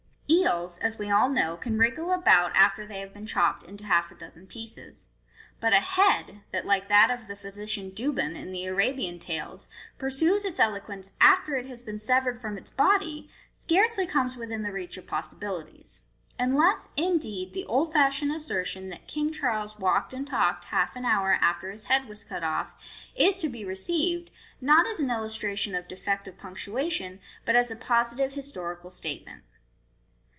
Ei U, as we all know, can wri^&le aboui 47* MODERN MAGIC after they have been chopped into half a dozen pieces j but a head that, like that of the Physician Douban, in the Arabian tales, pursues its eloquence after it has been severed from its body, scarcely comes within the reach of possibilities; unless, indeed, the old fashioned assertion that ' King Charles walked and talked half an hour after hit head was cut off,' is to be received, not as an illustration of defective punctuation, but as a positive historical statement.